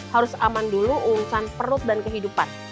harus aman dulu uncan perut dan kehidupan